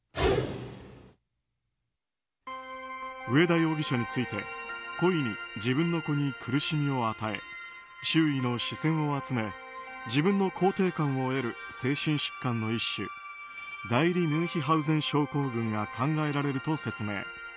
上田容疑者について故意に自分の子に苦しみを与え周囲の視線を集め自分の肯定感を得る精神疾患の一種代理ミュンヒハウゼン症候群が考えられると説明。